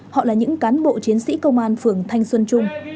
họ là những cán bộ chiến sĩ công an phường thanh xuân trung